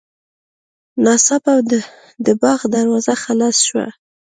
ناڅاپه د باغ دروازه خلاصه شوه.